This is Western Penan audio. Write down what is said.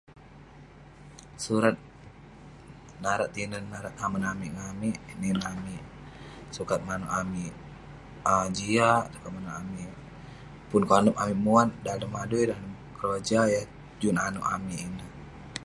Surat, narak tinen, narak temen amik ngan amik. Nin amik, sukat manouk amik ah jiak sukat manouk amik pun konep amik muat dalem adui, dalem keroja yah juk nanouk amik ineh.